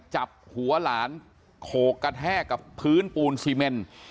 จับหัวหลานโขกกระแทกกับพื้นปูนซีเมน